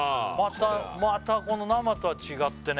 またこの生とは違ってね